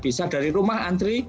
bisa dari rumah antri